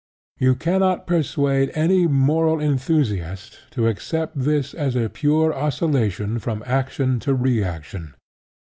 You cannot persuade any moral enthusiast to accept this as a pure oscillation from action to reaction.